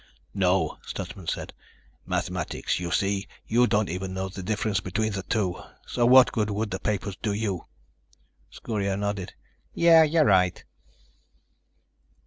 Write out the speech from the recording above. "No," Stutsman said. "Mathematics. You see? You don't even know the difference between the two, so what good would the papers do you?" Scorio nodded. "Yeah, you're right."